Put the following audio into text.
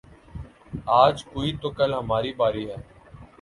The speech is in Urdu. آج کوئی تو کل ہماری باری ہے